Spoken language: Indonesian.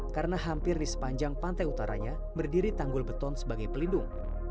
karena hampir di sepanjang pantai utaranya berdiri tanggul beton sebagai pelindung